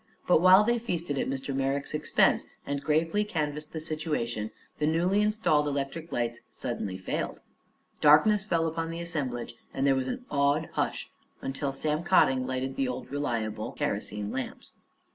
But while they feasted at Mr. Merrick's expense and gravely canvassed the situation, the newly installed electric lights suddenly failed. Darkness fell upon the assemblage and there was an awed hush until Sam Cotting lighted the old reliable kerosene lamps.